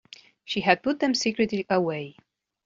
She had put them secretly away.